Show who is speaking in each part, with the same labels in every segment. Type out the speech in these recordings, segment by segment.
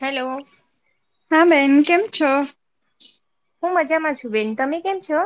Speaker 1: Hello.
Speaker 2: હા બેન કેમ છો
Speaker 1: હું મજામાં છું બેન તમે કેમ છો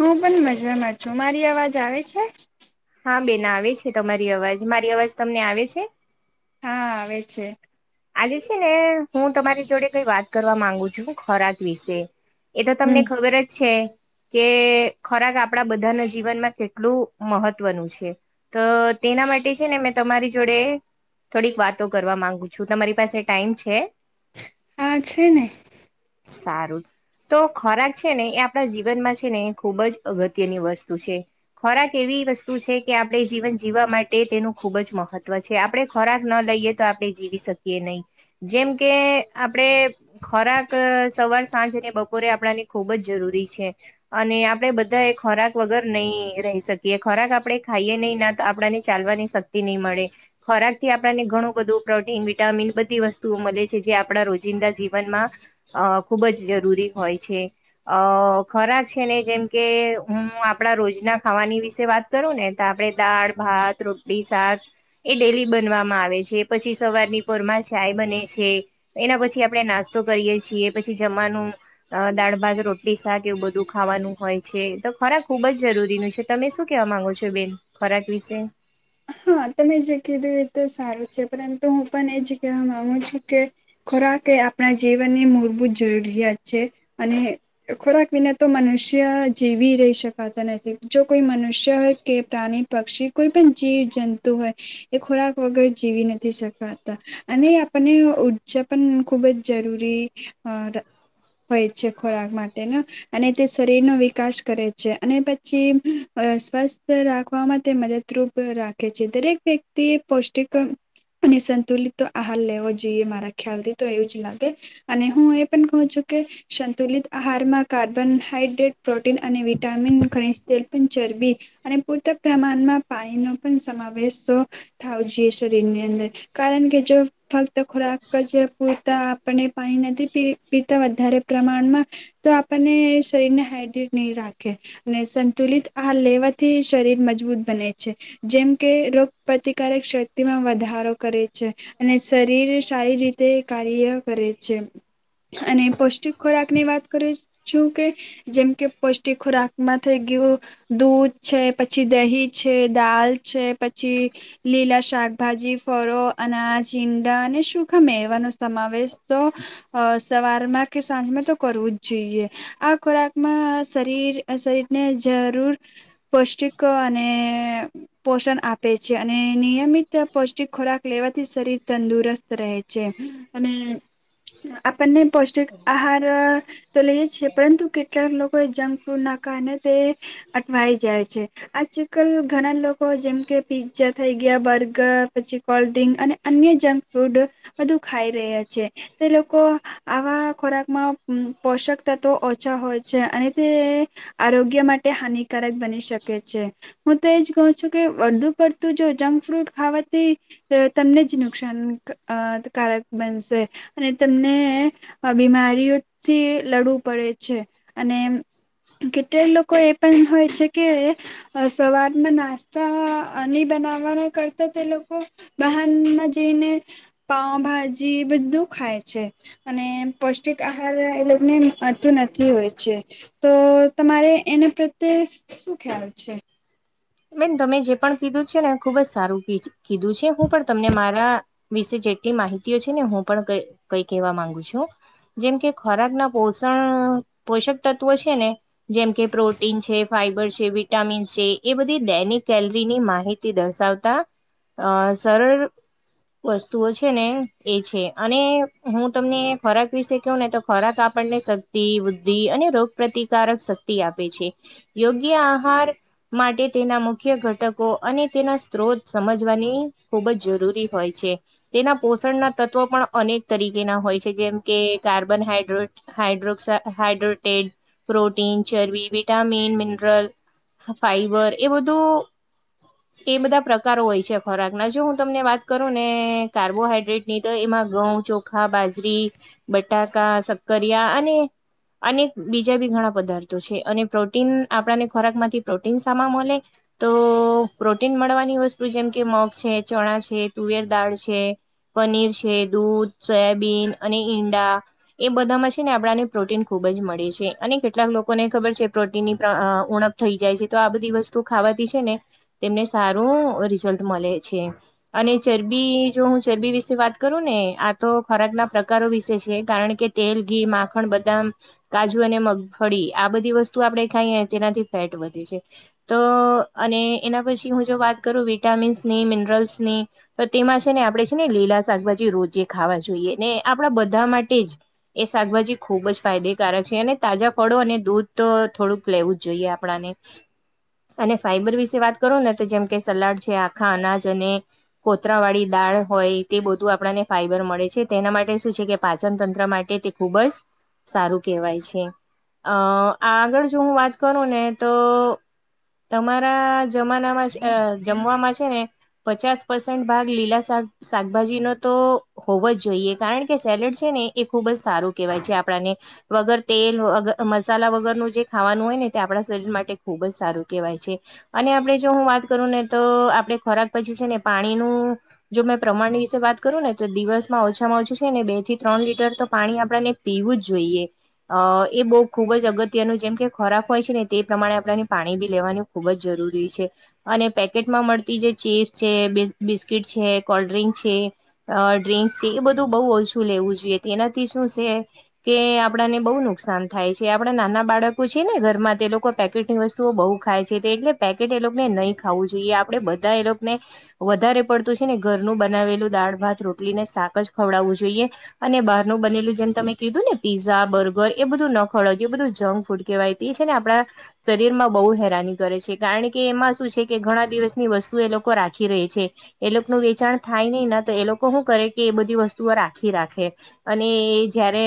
Speaker 2: હું પન મજામાં છું મારી અવાજ આવે છે
Speaker 1: હા બેન આવે છે તમારી અવાજ મારી અવાજ તમને આવે છે
Speaker 2: હા આવે છે
Speaker 1: આજે છે ને હું તમારી જોડે કઈ વાત કરવા માંગુ છું ખોરાક વિશે એ તો તમને
Speaker 2: હમ
Speaker 1: ખબર જ છે કે ખોરાક આપણા બધાના જીવનમાં કેટલું મહત્વનું છે તો તેના માટે છે ને મેં તમારી જોડે થોડીક વાતો કરવા માગુ શું તમારી પાસે ટાઈમ છે
Speaker 2: હા છે ને
Speaker 1: સારું તો ખોરાક છે ને એ આપણા જીવનમાં છે ને એ ખૂબ જ અગત્યની વસ્તુ છે. ખોરાક એવી વસ્તુ છે કે આપણે જીવન જીવવા માટે તેનું ખુબ જ મહત્વ છે આપડણે ખોરાક ન લઈએ તો આપણે જીવી શકીએ નઈ જેમ કે આપડે ખોરાક સવાર સાંજ અને બપોરે આપણાને ખુબ જ જરૂરી છે અને આપડે બધા એ ખોરાક વગર નઈ રહી શકીએ ખોરાક આપડણે ખાઈએ નઈ ના તો આપડાને ચાલવાની શક્તિ નઈ મળે ખોરાક થી આપણને ઘણું બધું પ્રોટીન વિટામિન બધી વસ્તુઓ મલે છે જે આપણા રોજિંદા જીવનમાં અ ખુબ જ જરૂરી હોય છે અ ખરાક છે ને જેમ કે હું આપડા રોજના ખાવાની વિશે વાત કરું ને તો આપણે દાળ ભાત રોટલી શાક એ ડેલી બનવામાં આવે છે પછી સવારની પોર માં ચાય બને છે એના પછી આપડે નાસ્તો કરીએ છીએ, પછી જમાનું. અ દાળ ભાત રોટલી શાક એવું બધું ખાવાનું હોય છે તો ખોરાક ખુબ જ જરૂરીનું છે. તમે શું કેવા માંગો છો બેન ખોરાક વિશે?
Speaker 2: હા તમે જે કીધું એ તો સારું છે, પરંતુ હું પણ એ જ કહેવા માગુ છું. કે ખોરાક એ આપણા જીવનની મૂળભૂત જરૂરિયાત છે અને ખોરાક વિના તો મનુષ્ય જીવી રહી શકાતા નથી જો કોઈ મનુષ્ય કે પ્રાણી, પક્ષી કોઈ પણ જીવ જંતુ હોય. એ ખોરાક વગર જીવી નથી શકાતા. અને આપણને ઊર્જા પણ ખુબ જ જરૂરી. હોય છે ખોરાક માટે ને અને તે શરીરનો વિકાસ કરે છે અને પછી અ સ્વસ્થ રાખવાવામાં તે મદદરૂપ. રાખે છે, દરેક વ્યક્તિ પૌષ્ટિક અને સંતુલિત તો આહાર લેવો જોઈએ મારા ખ્યાલથી તો એવું જ લાગે. અને હું એ પણ કહું છું, કે સંતુલિત આહારમાં. કાર્બનહાઈડ્રેટ પ્રોટીન અને વિટામિન ખનીજ, તેલ પણ ચરબી અને પૂરતા પ્રમાણમાં પાણીનો પણ સમાવેશ તો થાવ છે એ શરીર ની અંદર. કારણ કે જો ફક્ત ખોરાક જ પૂરતા આપણને પાણી નથી પી પીતા વધારે પ્રમાણમાં તો આપણને શરીર ને હાઈડ્રેટ નહીં રાખે. ને સંતુલિત આહાર લેવાથી શરીર મજબૂત બને. છે. જેમ કે રોગ પ્રતિકારક શક્તિમાં વધારો કરે, છે, અને શરીર સારી રીતે કાર્ય કરે છે. અને પૌષ્ટિક ખોરાક ની વાત કરી છું કે જેમ કે પૌષ્ટિક ખોરાકમાં થઈ ગયુ દૂધ છે પછી દહી. છે દાલ છે પછી લીલા શાકભાજી ફળો અનાજ ઈડા અને સુખા મેવાનો સમાવેશ તો અ સવારમાં કે સાંજમાં તો કરવું જ જોઈએ. આ ખોરાકમાં શરીર શરીર ને જરૂર પૌષ્ટિકો અને
Speaker 1: [inaudible]
Speaker 2: પોષણ આપે છે, અને નિયમિત પૌષ્ટિક ખોરાક લેવાથી શરીર તંદુરસ્ત રહે છે. અને આપણને પૌષ્ટિક આહાર, તો લઈએ જ છી પરંતુ કેટલાક લોકો એ જંક ફૂડ ના કારણે તે અટવાઈ જાય છે આ આજકાલ ઘણા લોકો જેમ કે પીઝા થઈ ગયા બર્ગર પછી કોલ્ડ્રિંક અને અન્ય જંક ફૂડ બધું ખાઈ રહ્યા છે તે લોકો, આવા ખોરાકમાં પોષક તત્વ ઓછા હોય છે, અને તે આરોગ્ય માટે હાનિકારક બની શકે છે. હું તો એજ કહ છું કે વધુ પડતું જો જંક ફ્રૂટ ખાવાથી, તમને જ નુકસાનકારક બનશે અને તમને બીમારીઓથી લડવું પડે છે અને કેટલાય લોકો એ પણ હોય છે કે, સવારમાં નાસ્તા અને બનાવવાના કરતા તે લોકો, બહનમાં જઈને પાઉભાજી બધું ખાય છે. અને પૌષ્ટિક આહાર એ લોકો ને અડતું નથી હોય છે. તો તમારે એના પ્રત્યે શું ખ્યાલ છે?
Speaker 1: બેન તમે જે પણ કીધું છે, ને ખુબ જ સારું કીધું છે હું પણ તમને મારા. વિશે જેટલી માહિતીઓ છે, ને હું પણ ક કઈ કહેવા માંગુ છું. જેમ કે ખોરાક ના પોષણ પોષક તત્વો છે ને, જેમ કે પ્રોટીન છે, ફાઈબર છે, વિટામીન છે એ બધી દૈનિક કેલરીની માહિતી દર્શાવતા અ સરળ. વસ્તુઓ છે ને એ છે અને હું તમને ખોરાક વિશે કહ ને તો ખોરાક આપણને શક્તિ બુદ્ધિ અને રોગ પ્ર્રતિકારક શક્તિ આપે છે યોગ્ય આહાર માટે તેના મુખ્ય ઘટકો અને તેના સ્ત્રોત સમજવાની ખૂબ જ જરૂરી હોય છે તેના પોષણના તત્વો પણ અનેક તરીકેના હોય છે જેમ કે કાર્બનહાઈડ્રેટ હાડ્રોસા હાઇડ્રોટેડ પ્રોટીન ચરબી વિટામિન મિનરલ ફાઈબર એ બધું એ બધા પ્રકારો હોય છે ખોરાકના જો હું તમને વાત કરું ને કાર્બોહાઈડ્રેટની તો એમાં ઘઉં ચોખ ચખા બાજરી બટાકા સક્કરિયા અને અને બીજા બી ઘણા પદાર્થો છે અને પ્રોટીન આપણાને ખોરાક માંથી પ્રોટીન સામામલે તો પ્રોટીન મળવાની વસ્તુ જેમ કે મગ છે ચણા છે તુવેર દાળ છે પનીર છે દૂધ સોયાબીન અને ઈંડા એ બધામાં છે ને આપણાને પ્રોટીન ખુબ જ મળે છે અને કેટલાક લોકોને ખબર છે પ્રોટીનની ઉણપ થઈ જાય છે તો આ બધી વસ્તુ ખાવાથી છે ને તેમને સારું રિઝલ્ટ મળે છે અને ચરબી રબી જો હું ચરબી વિશે વાત કરું ને આ તો ખોરાક ના પ્રકારો વિશે છે કારણ કે તેલ ઘી માખણ બદામ કાજુ અને મગફળી આ બધી વસ્તુ આપડણે ખાઈએ તેનાથી ફેટ વધ તો અને એના પછી હું જો વાત કરું વિટામિન્સની મિનરલ્સની તો તેમાં છે ને આપણેે છે ને લીલા શાકભાજી રોજે ખાવા જોઈએ ને આપણા બધા માટે જ એ શાકભાજી ખૂબ જ ફાયદેકારક છે અને તાજા ફળો અને દૂધ તો થોડુંક લેવું જ જોઈએ આપણાને અને ફાઈબર વિશે વાત કરો ને તો જેમ કે સલાડ છે આખા અનાજ અને કોતરા વાળી દાળ હોય તે બધું આપણને ફાઈબર મળે છે તેના માટે શું છે કે પાચન તંત્ર માટે ખુબ જ સારું કેહેવાય છે અ આગળ જો હું વાત કરું ને તો અમારા જમાનામાં જમવાવામાં છે ને પચાસ પસેન્ટ ભાગ લીલાા શાકભાજીનો તો હોવ જ જોઈએ કારણ કે સેલેડ છે ને એ ખૂબ જ સારું કહેવાય છે આપણને વગર તેલ મસાલા વગરનું જે ખાવાનું હોય ને તે આપણે શરીર માટે ખૂબ જ સારું કહેવાય છે અને આપડણે જો હું વાત કરું ને તો આપડે ખોરાક પછી છે ને પાણીનું જો મેં પ્રમાણની વિશે વાત કરું ને તો દિવસમાં ઓછામાં ઓછું છે ને બે થી ત્રણ લીટર તો પાણી આપણને પીવું જ જોઈએ અ એ બહુ ખુબ જ અગત્યનું જેમ કે ખોરાક હોય છે ને તે પ્રમાણે આપણને પાણી બી લેવાનું ખૂબ જ જરૂરી છે અને પેકેટમાં મળતી જે ચીપ્સ છે બિસ્કીિટ છે કોલ્ડ્રિંક છે અ ડ્ર્રીંક્ છે એ બધું બઉુ ઓછું લેવું જોઈએ તેનાથી શું છે કે આપડાને બહુ નુકસાન થાય છે આપડા નાના બાળકો છે ને ઘરમાં તે લોકો લોકો પેકેટની વસ્તુઓ બહુ ખાય છે એટલે પેકેટ એ લોકોને નહીં ખાવું જોઈએ આપણેે બધા એ લોકોને વધારે પડતું છે ને ઘરનું બનાવેલું દાળ ભાત રોટલી ને શાક જ ખવડાવવું જોઈએ. અને બારનું બનેલું જેમ તમે કીધું ને પીઝા, બર્ગર એ બધું ન ખવ જો એ બધું જંક ફૂડ કેવાય. એ છે ને આપડા શરીરમાં બહુ હેરાની કરે છે કારણ કે એમાં શું છે કે ઘણા દિવસની વસ્તુ એ લોકો રાખી ર છે એ લોકોનું વેચાણ થાય નહી ના તો એ લોકો શું કરે કે એ બધી વસ્તુઓ રાખી રાખે અને એ જયારે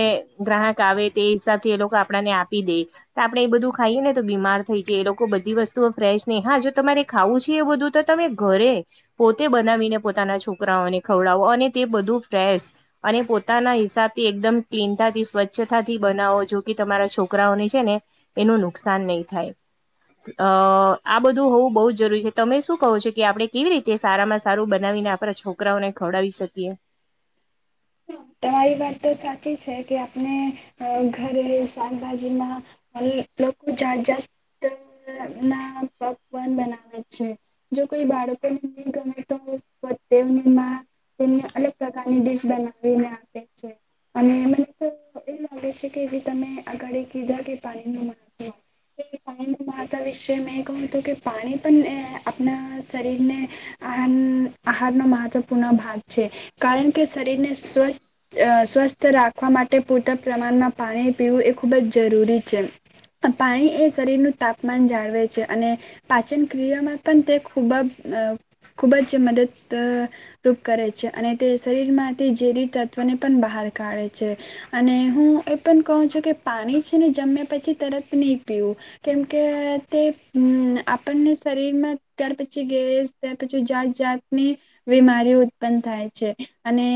Speaker 1: ગ્રાહક આવે તે હિસાબથી એ લોકો આપણાને આપી દે તો આપડે એ બધું ખાયું ને બીમાર થઈ જાય એ લોકો બધી વસ્તુઓ ફ્રેશ નહી હા જો તમારે ખાવું છે એ બધું તો તમે ઘરે પોતે બનાવીને પોતાના છોકરાઓને ખવડાવો અને તે બધું ફ્રેશ અને પોતાના હિસાબથી એકદમ ક્લીનતાથી સ્વચ્છતાથી બનાવો જો કે તમારા છોકરાઓને છે ને એનું નુકસાન નહીં થાય અ આ બધું હોવું બહુ જ જરૂરી છે તમે શું કહો છો કે આપડણે કેવી રીતે સારામાં સારું બનાવી નાખ આપરા છોકરાઓને ખવડાવી શકીએ
Speaker 2: તમારી વાત તો સાચી છે કે આપણે અ ઘરે શાકભાજીમાં લોકો જાત જાતના પકવાન બનાવે છે. જો કોઈ બાળકોને ની ગમે તો માં. તેમને અલગ પ્રકારની ડીશ બનાવીને આપે છે અને મને તો એ લાગે છે કે જે તમે આગાળી કીધા કે પાણીનું મહત્વ પાણીનું મહત્વ વિશે મેં કહું હતું કે પાણી પણ એ આપણા શરીરને આહાન આહારનો મહત્વપૂર્ણ ભાગ છે કારણ કે શરીરને સ્વ અ સ્વસ્થ રાખવા માટે પૂરતા પ્રમાણમાં પાણી પીવું એ ખૂબ જ જરૂરી છે. પાણી એ શરીરનું તાપમાન જાળવે છે અને પાચનક્રિયામાં પણ તે ખૂબબ અ. ખૂબ જ મદદત રૂપ કરે છે અને તે શરીરમાં તે ઝેરી તત્વ ને પણ બાહાર કાઢે છે. અને હું એ પણ કહું છું કે પાણી છે ને જમ્યા પછી તરત ની પીવું. કેમ કે તે આપણને શરીરમાં ત્યાર પછી ગેસ ત્યાર પછી જાત જાતની બીમારી ઉત્પન્ન થાય છે અને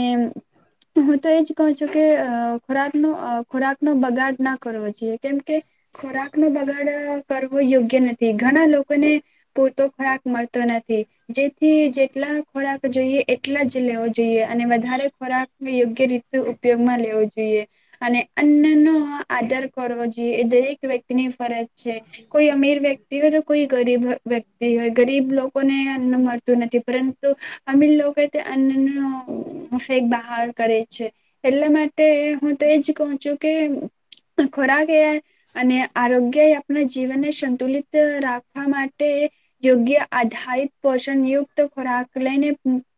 Speaker 2: હું તો એજ કહું છું કે અ ખોરાકનો અ ખોરાકનો બગાડ ના કરવો જોઈએ કેમ કે ખોરાકનો બગાડ કરવો યોગ્ય નથી ઘણા લોકોને પૂરતો ખોરાક મળતો નથી. જેથી જેટલા ખોરાક જોઈએ એટલા જ લેવો જોઈએ. અને વધારે ખોરાક યોગ્ય રીતે ઉપયોગમાં લેવો જોઈએ. અને અન્નનો આદર કરવો જોઈએ એ દરેક વ્યક્તિની ફરજ છે, કોઈ અમીર વ્યક્તિ હોય તો કોઈ ગરીબ હ વ્યક્તિ હોય ગરીબ લોકોને મળતું નથી પરંતુ અમીર લોકોએ તે અન્નનો. ફેક બહાર કરે છે એટલા માટે હું તો એજ કહું છું કે ખોરાક એ. અને આરોગ્ય આપણા જીવનને સંતુલિત રાખવા માટે યોગ્ય આધારિત પોષણ યુક્ત ખોરાક લઈને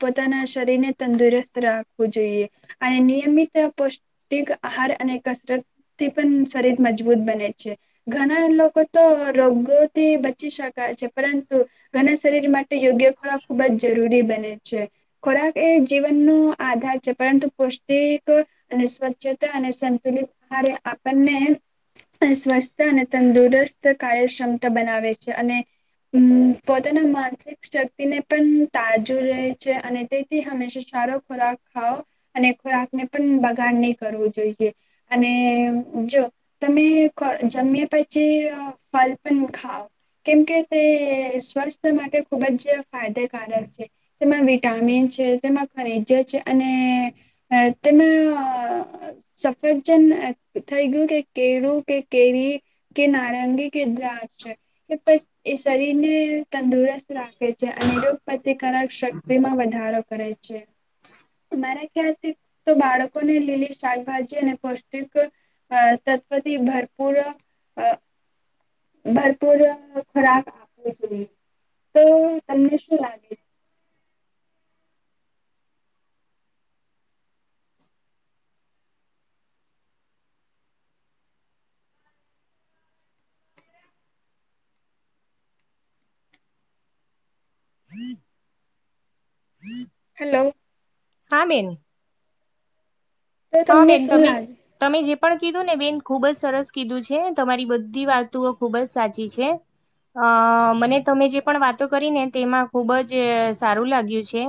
Speaker 2: પોતાના શરીરને તંદુરસ્ત રાખવું જોઈએ અને નિયમિત પૌષ્ટિક આહાર અને કસરત તે પણ શરીર મજબૂત બને છે. ઘણા લોકો તો રોગોથી બચી શકાય છે, પરંતુ [unintelligible] શરીર માટે યોગ્ય ખોરાક ખૂબ જ જરૂરી બને છે, ખોરાક એ જીવનનો આધાર છે, પરંતુ પૌષ્ટિક અને સ્વચ્છતા અને સંતુલિત હારે આપણને સ્વસ્થ અને તંદુરસ્ત કાર્યક્ષમતા બનાવે છે, અને હમ્મ પોતાના માનસિક શક્તિને પણ તાજુ રહે છે, અને તે. થી હંમેશા સારો ખોરાક ખાવો અને ખોરાકને પણ બગાડ નહીં કરવો જોઈએ. અને જો. તમે જમ્યા પછી ફલ પણ ખાવ. કેમકે તે સ્વસ્થ માટે ખુબ જ ફાયદાકારક છે. તેમાં વિટામિન છે. તેમાં ખનીજ જ અને તેમાં અ સફરજન થઈ ગયું કે કેળુ કે કેરી. કે નારંગી [unintelligible] છે. એ એ શરીરને તંદુરસ્ત રાખે છે, અને રો પ્રતિકારક શક્તિમાં વધારો કરે છે. અમારા ખ્યાલથી તો બાળકોને લીલી શાકભાજી અને પૌષ્ટિક અ તત્વથી ભરપૂર અ ભરપૂર ખોરાક આપવો જોઈએ તો તમને શું લાગે?
Speaker 1: [inaudible] [inaudible]
Speaker 2: હલો.
Speaker 1: હા બેન.
Speaker 2: તો
Speaker 1: હા
Speaker 2: તમને
Speaker 1: બેન
Speaker 2: શું
Speaker 1: તમે.
Speaker 2: લાગે
Speaker 1: તમે જે પણ કીધું ને બેન ખુબ જ સરસ કીધું છે, તમારી બધી વાતુઓ ખુબ જ સાચી છે. અ મને તમે જે પણ વાતો કરી ને તેમાં ખુબ જ સારું લાગ્યું છે.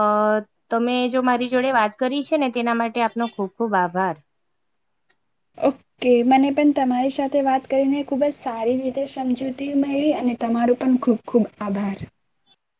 Speaker 1: અ તમે જો મારી જોડે વાત કરી છે, ને તેના માટે આપનો ખૂબ ખૂબ આભાર.
Speaker 2: કે મને પણ તમારી સાથે વાત કરીને ખૂબ જ સારી રીતે સમજૂતી મેળવી અને તમારું પણ ખૂબ. ખૂબ આભાર.